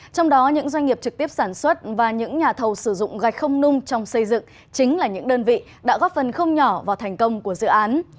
trong đó những doanh nghiệp trực tiếp sản xuất và những nhà thầu sử dụng gạch không nung trong xây dựng chính là những đơn vị đã góp phần không nhỏ vào thành công của dự án